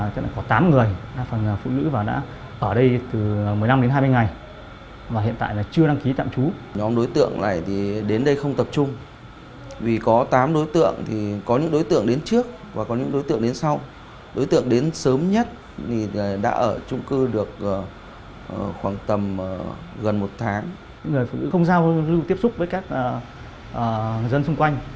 trong đó họ ở trong phòng không đi làm không giao lưu tiếp xúc với mọi người chung sống trong trung cư